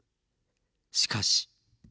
しかし。